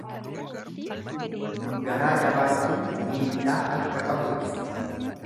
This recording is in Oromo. Garaa jabaachuun miidhaa akka qabu ibsa.